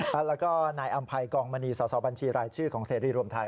แล้วก็นายอำภัยกองมณีสอบัญชีรายชื่อของเสรีรวมไทย